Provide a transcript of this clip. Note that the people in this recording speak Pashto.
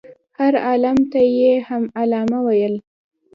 هر عالم ته یې هم علامه نه ویل.